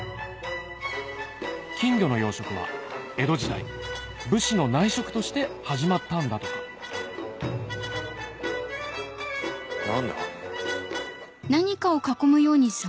金魚の養殖は江戸時代武士の内職として始まったんだとか何だ？